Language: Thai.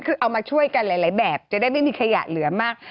คือเอามาช่วยกันหลายแบบจะได้ไม่มีขยะเหลือมาก